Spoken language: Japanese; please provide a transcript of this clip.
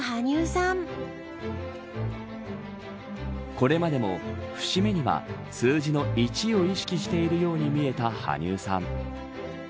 これまでも節目には数字の１を意識しているように見えた羽生さん。